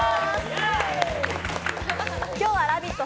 今日は「ラヴィット！」